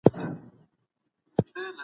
قانون ماتول جرم دی.